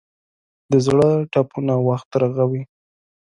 د زړه ټپونه وخت رغوي.